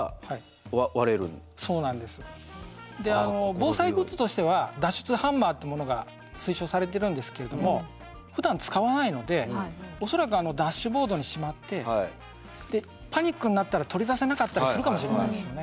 防災グッズとしては脱出ハンマーってものが推奨されてるんですけれどもふだん使わないので恐らくダッシュボードにしまってでパニックになったら取り出せなかったりするかもしれないですよね。